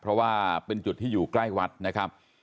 เพราะว่าเป็นจุดที่อยู่ใกล้วัดนะครับ